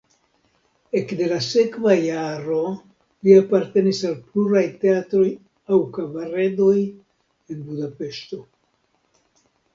Ekde la sekva jaro li apartenis al pluraj teatroj aŭ kabaredoj en Budapeŝto.